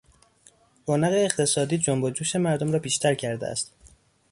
رونق اقتصادی جنب و جوش مردم را بیشتر کرده است.